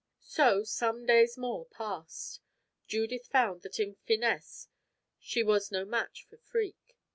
So, some days more passed. Judith found that in finesse she was no match for Freke.